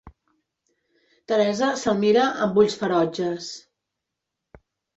Teresa se'l mira amb ulls ferotges.